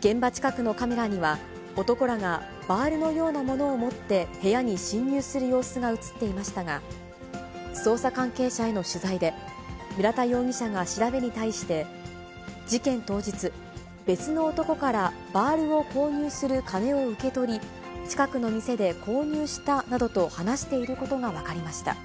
現場近くのカメラには、男らがバールのようなものを持って部屋に侵入する様子が写っていましたが、捜査関係者への取材で、村田容疑者が、調べに対して、事件当日、別の男から、バールを購入する金を受け取り、近くの店で購入したなどと話していることが分かりました。